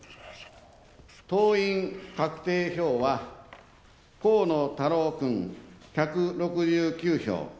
党員算定票は河野太郎君、１６９票。